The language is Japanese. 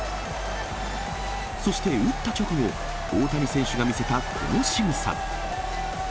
そして打った直後、大谷選手が見せたこのしぐさ。